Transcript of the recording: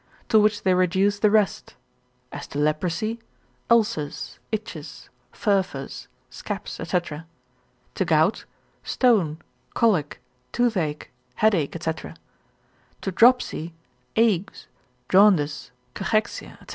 To which they reduce the rest; as to leprosy, ulcers, itches, furfurs, scabs, &c. To gout, stone, colic, toothache, headache, &c. To dropsy, agues, jaundice, cachexia, &c.